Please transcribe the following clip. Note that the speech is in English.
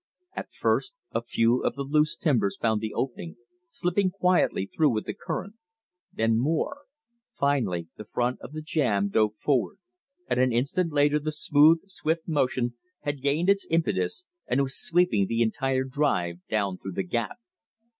At first a few of the loose timbers found the opening, slipping quietly through with the current; then more; finally the front of the jam dove forward; and an instant later the smooth, swift motion had gained its impetus and was sweeping the entire drive down through the gap.